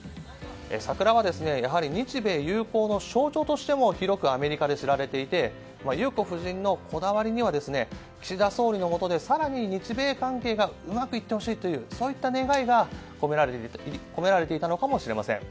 桜は日米友好の象徴としても広くアメリカで知られていて裕子夫人のこだわりには岸田総理のもとで更に日米関係がうまくいってほしいという願いが込められていたのかもしれません。